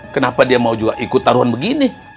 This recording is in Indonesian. kenapa dia mau juga ikut taruhan begini